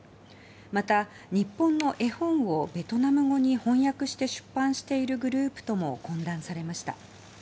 また、日本の絵本をベトナム語に翻訳して出版しているグループとも懇談されました。